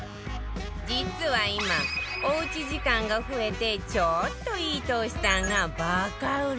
実は今おうち時間が増えてちょっといいトースターがバカ売れ中